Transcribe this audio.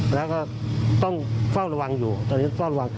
และต้องเฝ้าระวังอยู่ตอนนี้ต้องเฝ้าระวัง